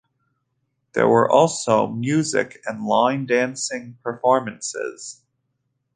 There were also music and line dancing performances.